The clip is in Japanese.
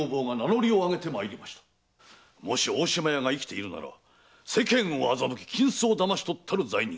もし大島屋が生きているのなら世間を欺き金子を騙し取ったる罪人。